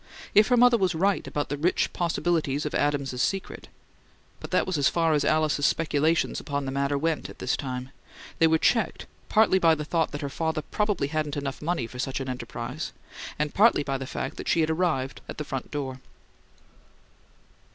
If her mother was right about the rich possibilities of Adams's secret but that was as far as Alice's speculations upon the matter went at this time: they were checked, partly by the thought that her father probably hadn't enough money for such an enterprise, and partly by the fact that she had arrived at the front door.